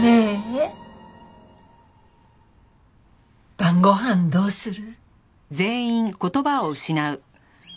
晩ご飯どうする？